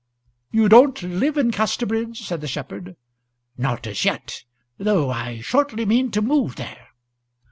"You don't live in Casterbridge?" said the shepherd. "Not as yet, though I shortly mean to move there."